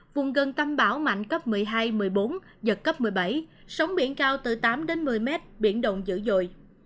vùng gần tâm bão mạnh cấp một mươi hai một mươi bốn giật cấp một mươi bảy sóng biển cao từ tám đến một mươi mét biển động dữ dội